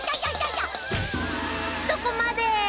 そこまで！